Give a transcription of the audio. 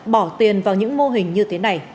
bỏ tiền vào những mô hình như thế này